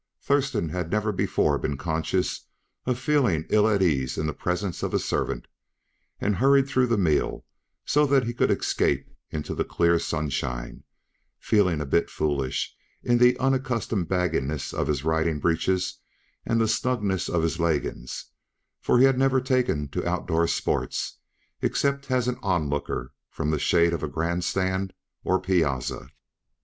Thurston had never before been conscious of feeling ill at ease in the presence of a servant, and hurried through the meal so that he could escape into the clear sunshine, feeling a bit foolish in the unaccustomed bagginess of his riding breeches and the snugness of his leggings; for he had never taken to outdoor sports, except as an onlooker from the shade of a grand stand or piazza.